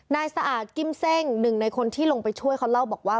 สะอาดกิ้มเซ่งหนึ่งในคนที่ลงไปช่วยเขาเล่าบอกว่า